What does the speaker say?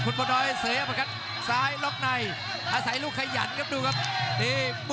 คุณพลน้อยเซยพคันซ้ายล๊อคไนท์อาศัยลูกขยันครับดูครับ